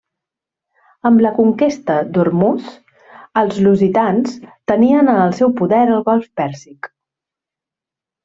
Amb la conquesta d'Ormuz, els lusitans tenien en el seu poder el Golf Pèrsic.